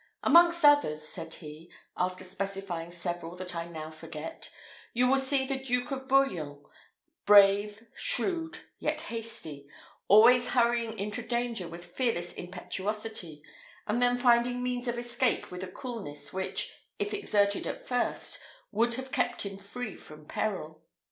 "Amongst others," said he, after specifying several that I now forget, "you will see the Duke of Bouillon, brave, shrewd, yet hasty, always hurrying into danger with fearless impetuosity, and then finding means of escape with a coolness which, if exerted at first, would have kept him free from peril.